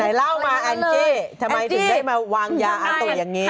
แต่เล่ามาแอนเจ้ทำไมถึงได้มาวางยาอาตุ๋อย่างนี้